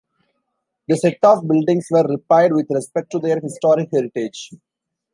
The set of buildings were repaired with respect to their historic heritage.